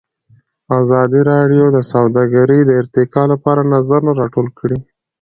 ازادي راډیو د سوداګري د ارتقا لپاره نظرونه راټول کړي.